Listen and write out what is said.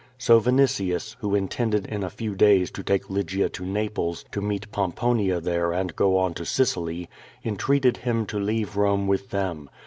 So Vinitius, who intended in a few days to take Lygia to Xaples to meet Pomponia there and go on to Sicily, entreated him to leave Rome with them.